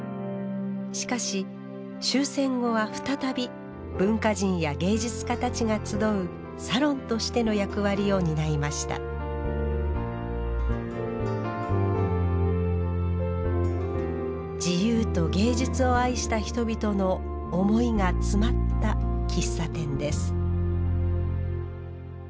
しかし終戦後は再び文化人や芸術家たちが集うサロンとしての役割を担いました自由と芸術を愛した人々の思いが詰まった喫茶店です